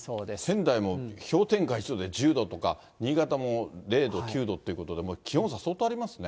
仙台も氷点下１度で１０度とか、新潟も０度、９度ということで、もう気温差相当ありますね。